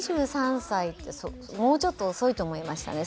２３歳もうちょっと遅いと思いましたね。